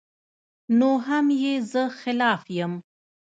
نو هم ئې زۀ خلاف يم